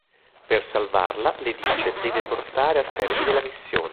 Per salvarla, le dice, deve portare a termine la missione.